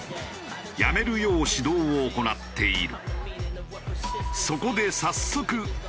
やめるよう指導を行っている。